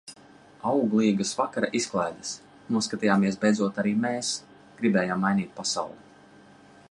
Auglīgas vakara izklaides. Noskatījāmies beidzot arī "Mēs gribējām mainīt pasauli".